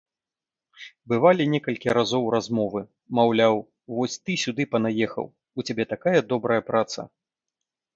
Бывалі некалькі разоў размовы, маўляў, вось ты сюды панаехаў, у цябе такая добрая праца.